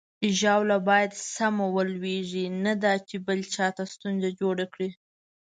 ژاوله باید سمه ولویږي، نه دا چې بل چاته ستونزه جوړه کړي.